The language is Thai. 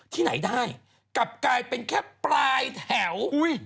ที่ไหนได้กลับกลายเป็นแค่ปลายแถว